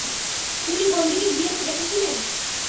খুনি কোনদিকে গিয়েছে দেখেছিলেন?